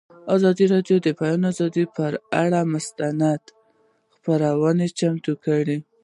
ازادي راډیو د د بیان آزادي پر اړه مستند خپرونه چمتو کړې.